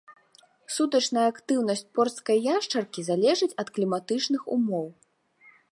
Сутачная актыўнасць порсткай яшчаркі залежыць ад кліматычных умоў.